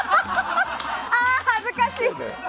ああ、恥ずかしい！